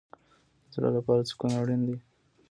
د زړه لپاره سکون اړین دی